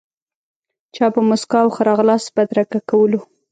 چا په موسکا او ښه راغلاست بدرګه کولو.